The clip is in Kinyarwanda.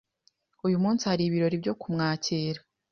uyu munsi hari ibirori byo kumwakira